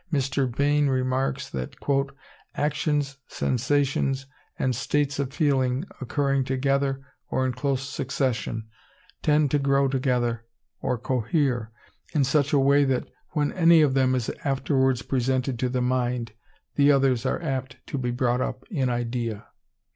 Mr. Bain remarks, that "actions, sensations and states of feeling, occurring together or in close succession, tend to grow together, or cohere, in such a way that when any one of them is afterwards presented to the mind, the others are apt to be brought up in idea."